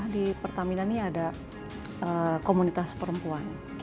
di pertamina ini ada komunitas perempuan